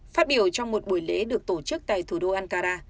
phát biểu trong một buổi lễ được tổ chức tại thủ đô ankara